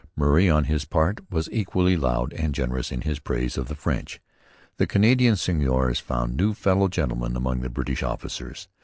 Murray, on his part, was equally loud and generous in his praise of the French. The Canadian seigneurs found fellow gentlemen among the British officers.